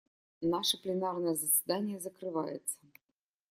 Наше пленарное заседание закрывается.